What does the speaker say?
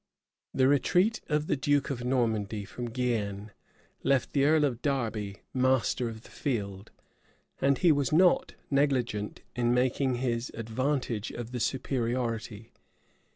The retreat of the duke of Normandy from Guienne left the earl of Derby master of the field; and he was not negligent in making his advantage of the superiority.